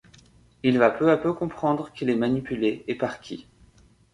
Il va peu à peu comprendre qu'il est manipulé et par qui.